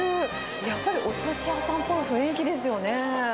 やっぱりおすし屋さんっぽい雰囲気ですよね。